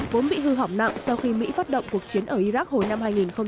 vốn bị hư hỏng nặng sau khi mỹ phát động cuộc chiến ở iraq hồi năm hai nghìn ba